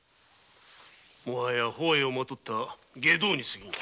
もはや法衣をまとった外道にすぎぬ。